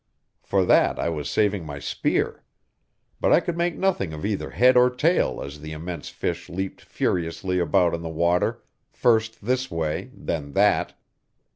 For that I was saving my spear. But I could make nothing of either head or tail as the immense fish leaped furiously about in the water, first this way, then that.